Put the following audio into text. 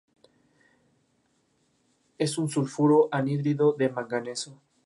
Es un sulfuro anhidro de manganeso.